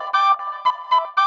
kau mau kemana